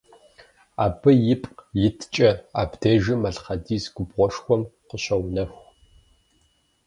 Абы ипкъ иткӏэ абдежым малъхъэдис губгъуэшхуэ къыщоунэху.